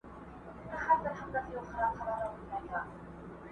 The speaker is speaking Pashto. څه پروا که مي په ژوند کي یا خندلي یا ژړلي؛